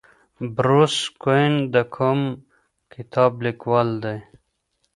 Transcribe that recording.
بروس کوئن د کوم کتاب لیکوال دی؟